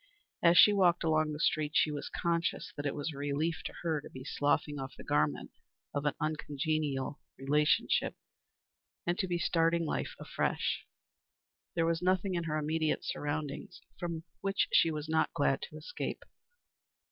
As she walked along the street she was conscious that it was a relief to her to be sloughing off the garment of an uncongenial relationship and to be starting life afresh. There was nothing in her immediate surroundings from which she was not glad to escape.